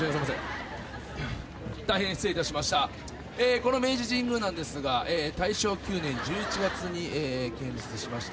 この明治神宮なんですが大正９年１１月に建設しました。